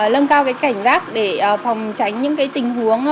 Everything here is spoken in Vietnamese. lâng cao cái cảnh rác để phòng tránh những cái tình huống